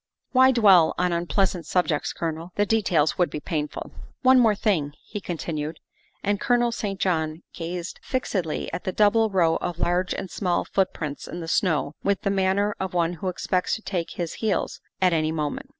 ' Why dwell on unpleasant subjects, Colonel? The details would be painful. " One thing more," he continued, and Colonel St. John gazed fixedly at the double row of large and small footprints in the snow with the manner of one who expects to take to his heels at any moment.